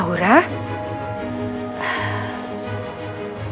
kau tadi bisa